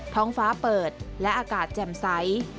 ท้องฟ้าเปิดและอากาศแจ่มใส